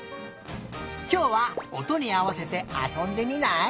きょうはおとにあわせてあそんでみない？